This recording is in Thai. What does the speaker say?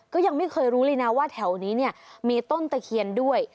ก็ยังไม่เคยรู้เลยนะว่าแถวนี้เนี่ยมีต้นตะเคียนด้วย